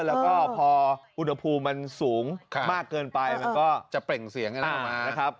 แล้วก็พออุณหภูมิมันสูงมากเกินไปมันก็จะเปล่งเสียงกันออกมานะครับ